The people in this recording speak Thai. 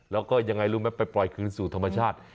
แล้วก็ยังไงรู้ไหมไปปล่อยคืนสู่ธรรมชาติ